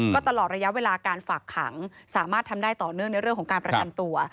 ก็ตลอดระยะเวลาการฝากขังสามารถทำได้ต่อเนื่องในเรื่องของการประกันตัว